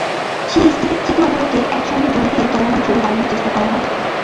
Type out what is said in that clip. সেই স্থিরচিত্রগুলোকে একসঙ্গে জুড়ে দিয়ে চলমান ছবি বানানোর চেষ্টা করা হবে।